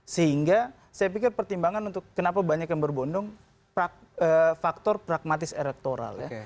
sehingga saya pikir pertimbangan untuk kenapa banyak yang berbondong faktor pragmatis elektoral ya